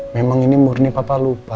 memang ini murni papa lupa